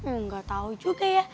enggak tau juga ya